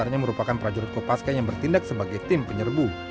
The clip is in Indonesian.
dan juga melakukan latihan perjurut kopaskat yang bertindak sebagai tim penyerbu